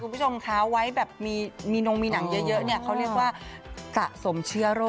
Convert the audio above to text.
คุณผู้ชมคะไว้แบบมีนงมีหนังเยอะเนี่ยเขาเรียกว่าสะสมเชื้อโรค